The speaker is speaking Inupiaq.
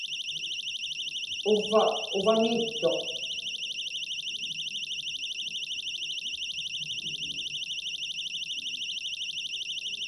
uvva uvaniituq